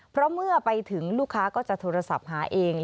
เพราะเมื่อไปถึงลูกค้าก็จะโทรศัพท์หาเอง